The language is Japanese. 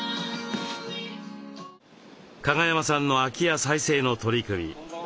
加賀山さんの空き家再生の取り組み。